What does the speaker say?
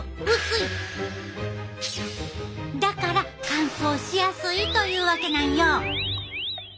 だから乾燥しやすいというわけなんよ。